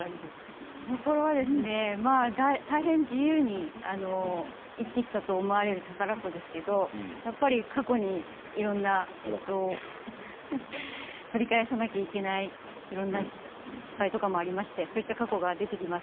見どころはですね大変自由に生きてきたと思われる宝子ですけれど過去にいろいろな取り返さなきゃいけないいろんな失敗とかもありましてそんな過去が出てきます。